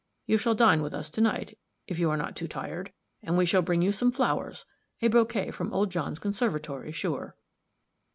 You shall dine with us to night, if you are not too tired, and we shall bring you some flowers a bouquet from old John's conservatory, sure."